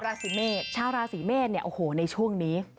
ราศีเมษชาวราศีเมษเนี่ยโอ้โหในช่วงนี้